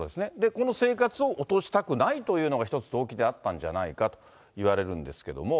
この生活を落としたくないっていうのが一つ、動機であったんじゃないかといわれるんですけれども。